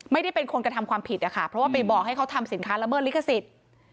ไม่ได้เป็นคนกระทำความผิดนะคะเพราะว่าไปบอกให้เขาทำสินค้าละเมิดลิขสิทธิ์